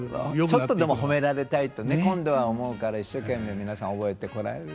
ちょっとでも褒められたいとね今度は思うから一生懸命皆さん覚えてこられる。